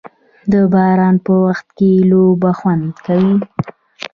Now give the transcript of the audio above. د باران په وخت کې لوبه خوند کوي.